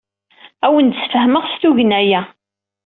Ad awen-d-sfehmeɣ s tugna-a.